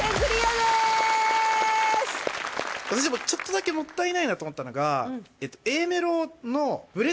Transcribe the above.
でもちょっとだけもったいないなと思ったのが。